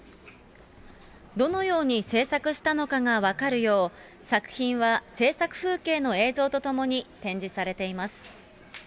どのように制作したのかが分かるよう、作品は制作風景の映像とともに展示されています。